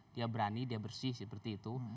dia berani dia bersih seperti itu